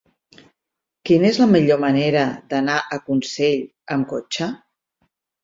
Quina és la millor manera d'anar a Consell amb cotxe?